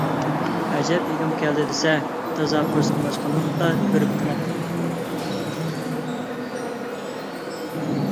ئەجەب يېگۈم كەلدى دېسە! تازا قورسىقىم ئاچقان ۋاقىتتا كۆرۈپتىمەن.